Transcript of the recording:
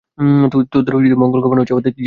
তোদের মঙ্গল কামনা হচ্ছে আমার জীবনব্রত।